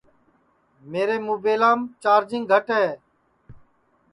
میرے مُبیلام چارجِنگ گھٹ ہے